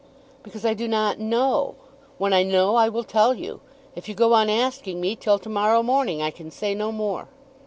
"Because I do not know. When I know I will tell you. If you go on asking me till to morrow morning I can say no more."